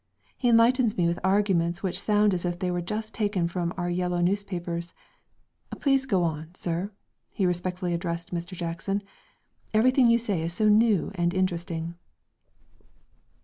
He enlightens me with arguments which sound as if they were just taken from our yellow newspapers. Please, go on, sir," he respectfully addressed Mr. Jackson. "Everything you say is so new and interesting...."